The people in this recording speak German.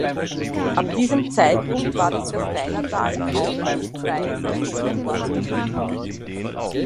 Ab diesem Zeitpunkt war das Gasteinertal auch als Zwei-Saisonen-Ort etabliert.